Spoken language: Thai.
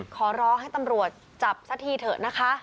ขอร้องให้ตำรวจจับสักทีเถอะนะคะ